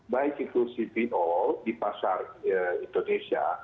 baik itu cpo di pasar indonesia